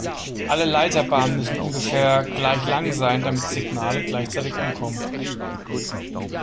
Alle Leiterbahnen müssen ungefähr gleich lang sein, damit die Signale gleichzeitig ankommen.